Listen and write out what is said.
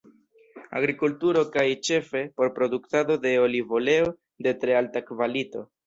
Agrikulturo kaj ĉefe por produktado de olivoleo de tre alta kvalito.